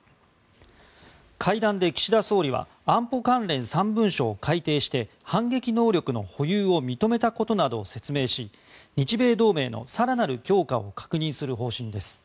会談で岸田総理は安保関連３文書を改定して反撃能力の保有を認めたことなどを説明し日米同盟の更なる強化を確認する方針です。